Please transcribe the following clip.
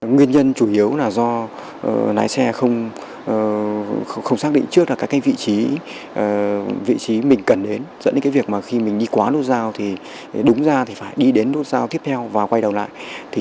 nguyên liệu là do lái xe không xác định trước là cái vị trí mình cần đến dẫn đến cái việc mà khi mình đi quá lốt giao thì đúng ra phải đi đến lốt giao tiếp theo và quay đầu lại